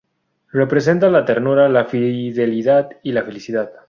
Representa la ternura, la fidelidad y la felicidad.